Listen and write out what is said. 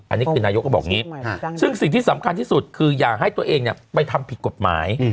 อันนี้คือนายกก็บอกอย่างนี้ซึ่งสิ่งที่สำคัญที่สุดคืออย่าให้ตัวเองไปทำผิดกฎหมาย